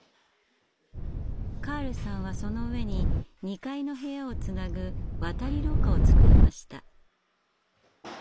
カールさんはその上に２階の部屋をつなぐ渡り廊下を造りました。